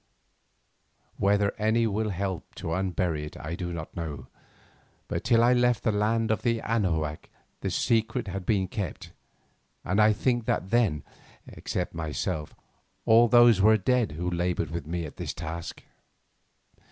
Whether any will help to unbury it I do not know, but till I left the land of Anahuac the secret had been kept, and I think that then, except myself, all those were dead who laboured with me at this task.